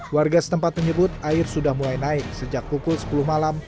warga setempat menyebut air sudah mulai naik sejak pukul sepuluh malam